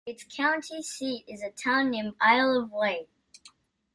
Its county seat is a town named Isle of Wight.